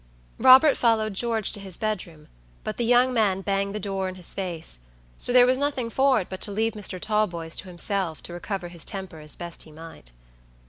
Robert followed George to his bedroom, but the young man banged the door in his face, so there was nothing for it but to leave Mr. Talboys to himself, to recover his temper as best he might.